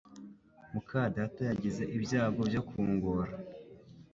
muka data yagize ibyago byo kungora